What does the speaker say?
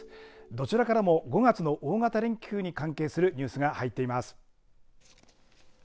どちらからも５月の大型連休に関係するニュースが入っています。